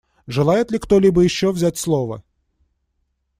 Желает ли кто-либо еще взять слово?